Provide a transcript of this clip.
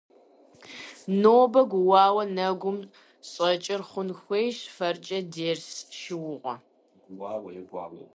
Нобэ гуауэу нэгум щӀэкӀыр хъун хуейщ фэркӀэ дерс шыугъэ.